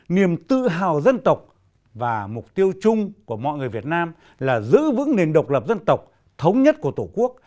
niềm tự hào dân tộc và mục tiêu chung của mọi người việt nam là giữ vững nền độc lập dân tộc thống nhất của tổ quốc